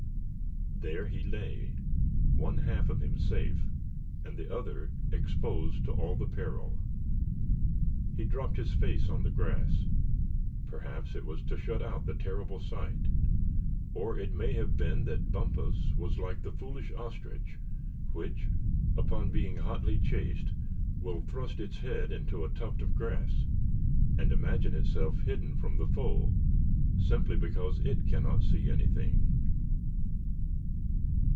There he lay, one half of him safe, and the other exposed to all the peril. He dropped his face on the grass. Perhaps it was to shut out the terrible sight; or it may have been that Bumpus was like the foolish ostrich, which, upon being hotly chased, will thrust its head into a tuft of grass, and imagine itself hidden from the foe simply because it cannot see anything.